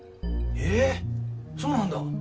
へえそうなんだ！